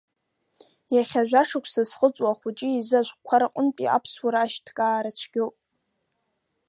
Иахьа жәашықәса зхыҵуа ахәыҷы изы ашәҟәқәа рҟынтәи Аԥсуара ашьҭкаара цәгьоуп.